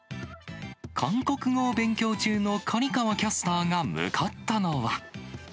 韓国語を勉強中の刈川キャスターが向かったのは。